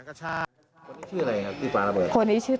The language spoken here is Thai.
คือตอนที่แม่ไปโรงพักที่นั่งอยู่ที่สพ